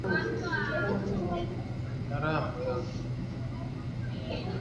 Nina raha moyoni